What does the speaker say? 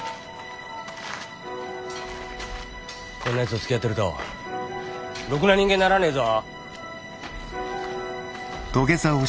こんなやつとつきあってるとろくな人間にならねえぞ。